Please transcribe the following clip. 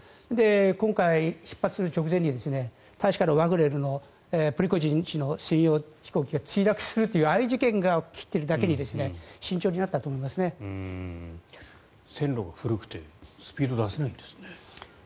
今回、出発する直前にワグネルのプリゴジン氏の専用飛行機が墜落するというああいう事件が起きているだけに線路が古くてスピードを出せないんですね。